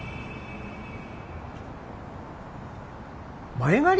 前借り！？